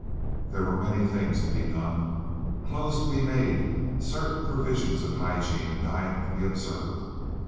There were many things to be done—clothes to be made; certain provisions of hygiene and diet to be observed.